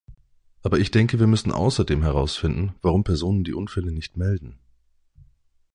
Aber ich denke, wir müssen außerdem herausfinden, warum Personen die Unfälle nicht melden.